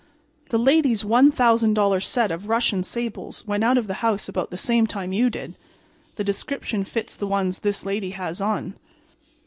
"The lady's $1,000 set of Russian sables went out of the house about the same time you did. The description fits the ones this lady has on."